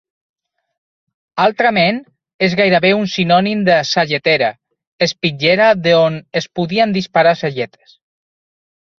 Altrament, és gairebé un sinònim de sagetera, espitllera d'on es podien disparar sagetes.